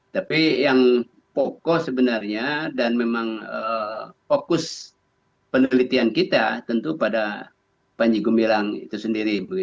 tapi yang pokok sebenarnya dan memang fokus penelitian kita tentu pada panji gumilang itu sendiri